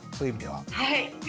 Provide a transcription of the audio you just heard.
はい。